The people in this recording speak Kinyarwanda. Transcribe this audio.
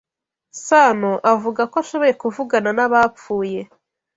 Sano avuga ko ashoboye kuvugana n'abapfuye.